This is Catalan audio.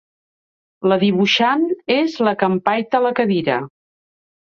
La dibuixant és la que empaita la cadira.